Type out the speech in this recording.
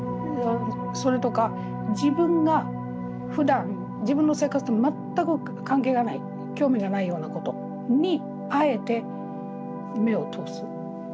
それとか自分がふだん自分の生活と全く関係がない興味がないようなことにあえて目を通す。